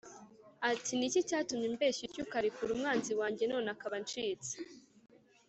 ati “Ni iki cyatumye umbeshya utyo ukarekura umwanzi wanjye, none akaba acitse?”